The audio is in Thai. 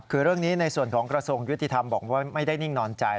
คือเรื่องนี้ในส่วนของกระทรวงยุติธรรมบอกว่าไม่ได้นิ่งนอนใจ